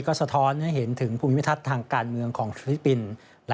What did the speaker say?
ก็สะท้อนให้เห็นถึงภูมิทัศน์ทางการเมืองของฟิลิปปินส์